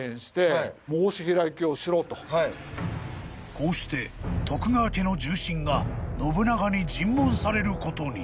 ［こうして徳川家の重臣が信長に尋問されることに］